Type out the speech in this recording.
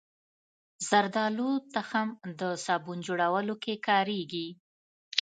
زردالو تخم د صابون جوړولو کې کارېږي.